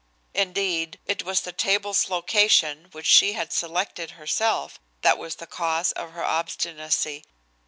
Indeed, it was the table's location, which she had selected herself, that was the cause of her obstinacy.